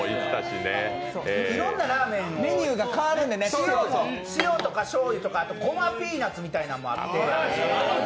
いろんなラーメンを、メニューが変わるので、塩とかしょうゆとかあとごまピーナツみたいなのもあって。